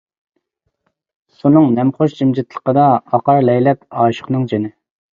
سۇنىڭ نەمخۇش جىمجىتلىقىدا، ئاقار لەيلەپ ئاشىقنىڭ جېنى.